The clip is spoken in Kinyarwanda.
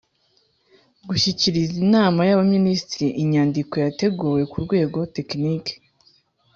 Gushyikiriza Inama y Abaminisitiri inyandiko yateguwe ku rwego tekiniki